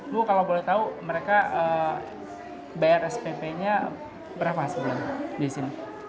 bu kalau boleh tahu mereka bayar spp nya berapa sebenarnya di sini